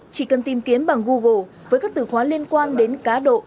chỉ cần tìm kiếm bằng google với các từ khóa liên quan đến cá độ